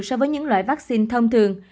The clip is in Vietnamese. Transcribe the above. so với những loại vaccine thông thường